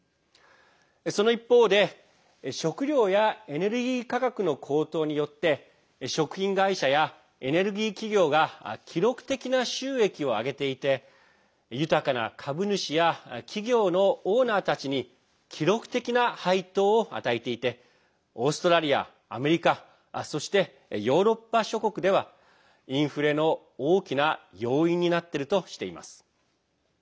その一方で、食料やエネルギー価格の高騰によって食品会社やエネルギー企業が記録的な収益を上げていて豊かな株主や企業のオーナーたちに記録的な配当を与えていてオーストラリア、アメリカそして、ヨーロッパ諸国ではインフレの、大きな要因になっているとしています。